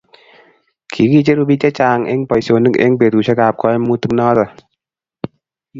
kikicheru biik che chang' eng' boisionik eng' betusiekab kaimutik noto